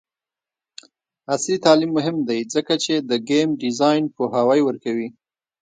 عصري تعلیم مهم دی ځکه چې د ګیم ډیزاین پوهاوی ورکوي.